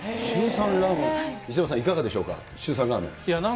西島さん、いかがでしょうか、週３ラーメン。